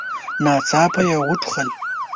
ناڅاپه يې وټوخل.